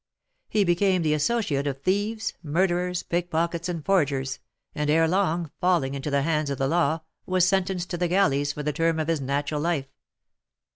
He became the associate of thieves, murderers, pickpockets, and forgers, and ere long, falling into the hands of the law, was sentenced to the galleys for the term of his natural life.